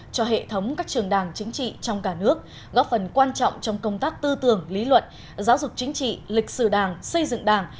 trong cả nước góp phần quan trọng trong công tác tư tưởng lý luận giáo dục chính trị lịch sử đảng xây dựng đảng